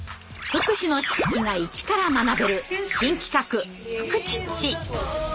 福祉の知識がイチから学べる新企画「フクチッチ」。